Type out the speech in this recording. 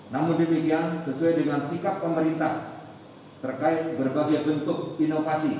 namun demikian sesuai dengan sikap pemerintah terkait berbagai bentuk inovasi